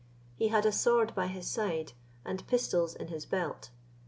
He had a sword by his side, and pistols in his belt.